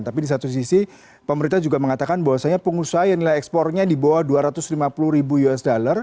tapi di satu sisi pemerintah juga mengatakan bahwasannya pengusaha yang nilai ekspornya di bawah dua ratus lima puluh ribu usd